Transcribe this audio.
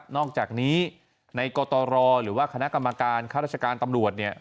อกจากนี้ในกตรหรือว่าคณะกรรมการค่าราชการตำรวจเนี่ย